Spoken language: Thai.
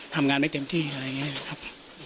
ทำงานได้เต็มที่อะไรอย่างนี้ครับ